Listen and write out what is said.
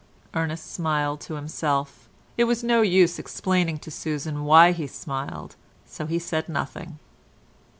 Ernest smiled to himself. It was no use explaining to Susan why he smiled, so he said nothing.